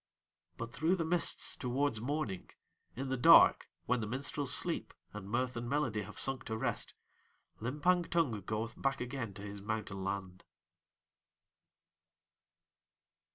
But through the mists towards morning, in the dark when the minstrels sleep and mirth and melody have sunk to rest, Limpang Tung goeth back again to his mountain land.